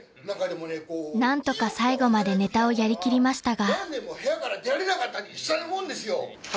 ［何とか最後までネタをやりきりましたが］